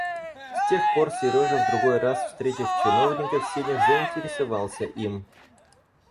С тех пор Сережа, другой раз встретив чиновника в сенях, заинтересовался им.